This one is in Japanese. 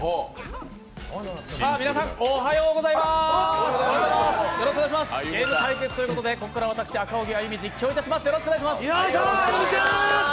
皆さん、おはようございますゲーム対決ということで、ここから私、赤荻歩、実況いたします。